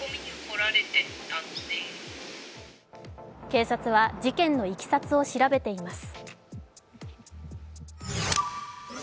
警察は事件のいきさつを調べています。